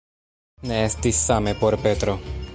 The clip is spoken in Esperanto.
Ne estis same por Petro.